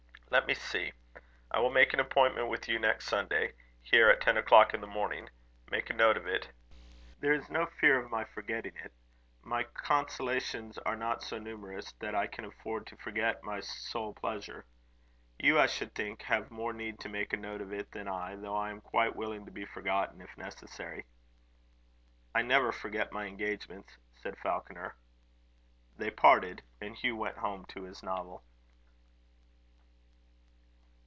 "Let me see. I will make an appointment with you. Next Sunday; here; at ten o'clock in the morning. Make a note of it." "There is no fear of my forgetting it. My consolations are not so numerous that I can afford to forget my sole pleasure. You, I should think, have more need to make a note of it than I, though I am quite willing to be forgotten, if necessary." "I never forget my engagements," said Falconer. They parted, and Hugh went home to his novel.